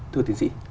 thưa tiến sĩ